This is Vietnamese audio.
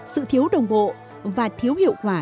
sự thiếu đồng bộ và thiếu hiệu quả